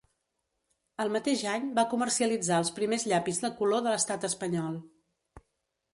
El mateix any va comercialitzar els primers llapis de color de l'Estat espanyol.